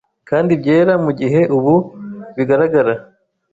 kandi byera mu gihe ubu bigaragara